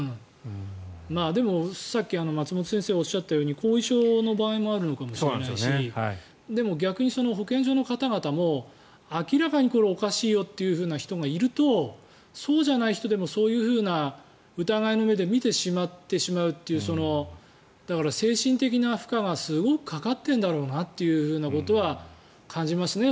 でも、さっき松本先生がおっしゃったように後遺症の場合もあるのかもしれないしでも、逆に保健所の方々も明らかにこれはおかしいよっていう人がいるとそうじゃない人でもそういう疑いの目で見てしまってしまうという精神的な負荷がすごくかかっているんだろうなっていうことは感じますね。